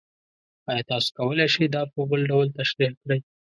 ایا تاسو کولی شئ دا په بل ډول تشریح کړئ؟